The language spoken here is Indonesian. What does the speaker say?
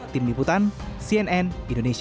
tim liputan cnn indonesia